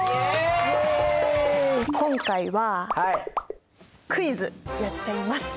今回はクイズやっちゃいます。